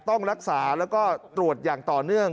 ต้องรักษาแล้วก็ตรวจอย่างต่อเนื่อง